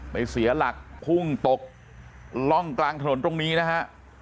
เสียหลักพุ่งตกร่องกลางถนนตรงนี้นะฮะ